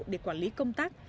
để quản lý công tác